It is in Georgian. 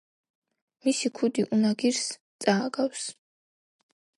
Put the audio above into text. მისი ქუდი უნაგირს წააგავს.